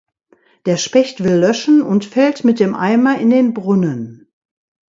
Der Specht will löschen und fällt mit dem Eimer in den Brunnen.